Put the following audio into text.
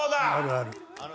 あるある。